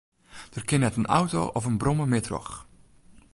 Der kin net in auto of in brommer mear troch.